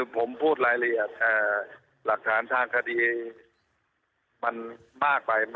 ผมพูดรายละเอียดหลักฐานทางคดีมันมากไป